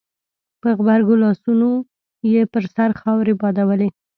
په غبرګو لاسونو يې پر سر خاورې بادولې.